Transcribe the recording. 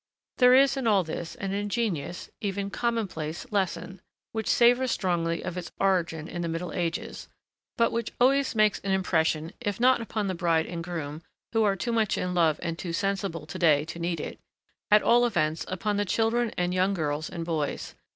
There is in all this an ingenuous, even commonplace, lesson, which savors strongly of its origin in the Middle Ages, but which always makes an impression, if not upon the bride and groom, who are too much in love and too sensible to day to need it, at all events, upon the children and young girls and boys.